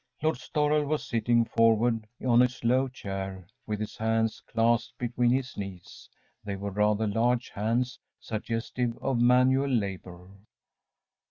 ‚ÄĚ Lord Storrel was sitting forward on his low chair, with his hands clasped between his knees. They were rather large hands suggestive of manual labour.